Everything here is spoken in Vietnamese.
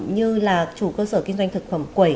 như là chủ cơ sở kinh doanh thực phẩm quẩy